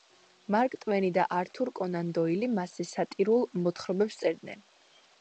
მარკ ტვენი და ართურ კონან დოილი მასზე სატირულ მოთხრობებს წერდნენ.